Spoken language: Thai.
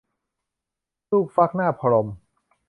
ลูกฟักหน้าพรหม